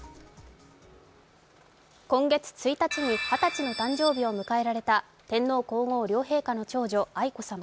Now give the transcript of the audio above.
今月１日に二十歳の誕生日を迎えられた天皇・皇后両陛下の長女、愛子さま。